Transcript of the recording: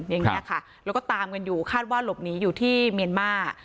อย่างนี้ค่ะแล้วก็ตามกันอยู่คาดว่าหลบหนีอยู่ที่เมียนมาร์